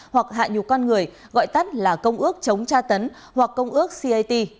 hoặc hạ nhục con người gọi tắt là công ước chống tra tấn hoặc công ước cat